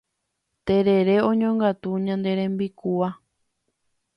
Terere oñongatu ñane rembikuaa